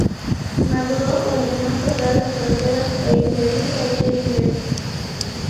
Maduro ordenó cerrar las fronteras e impedir cualquier ingreso.